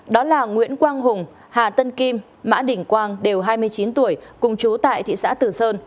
đó là nguyễn quang hùng hà tân kim mã đỉnh quang đều hai mươi chín tuổi cùng chú tại thị xã tử sơn